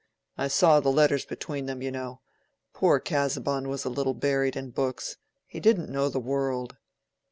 I saw the letters between them, you know. Poor Casaubon was a little buried in books—he didn't know the world."